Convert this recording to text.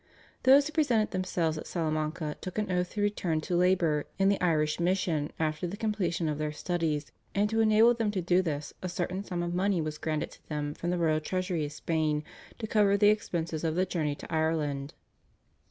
Those who presented themselves at Salamanca took an oath to return to labour in the Irish mission after the completion of their studies, and to enable them to do this a certain sum of money was granted to them from the royal treasury of Spain to cover the expenses of the journey to Ireland.